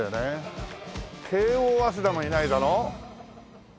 慶應早稲田もいないだろ？